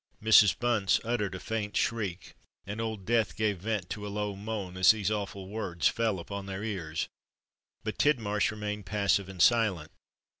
Mrs. Bunce uttered a faint shriek, and Old Death gave vent to a low moan, as these awful words fell upon their ears: but Tidmarsh remained passive and silent.